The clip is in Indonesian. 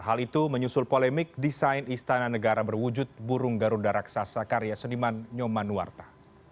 hal itu menyusul polemik desain istana negara berwujud burung garuda raksasa karya suniman nyomanuarta